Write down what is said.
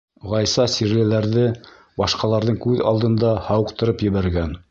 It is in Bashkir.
Ғайса сирлеләрҙе башҡаларҙың күҙ алдында һауыҡтырып ебәргән.